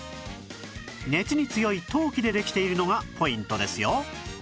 熱に強い陶器でできているのがポイントですよ